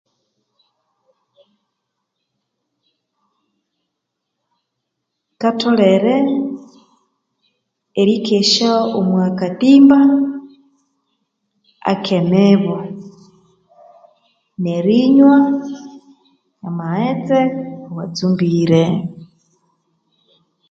Katholere erikesya omwakatimba akemibu nerinywa amaghetse awatsumbire